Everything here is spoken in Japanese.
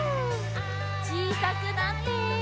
ちいさくなって。